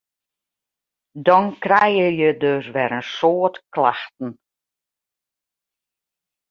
Dan krije je dus wer in soad klachten.